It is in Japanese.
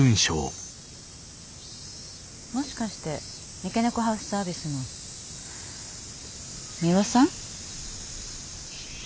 もしかして三毛猫ハウスサービスの美羽さん？